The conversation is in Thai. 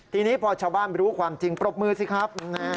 ทีนี้พอชาวบ้านรู้ความจริงปรบมือสิครับ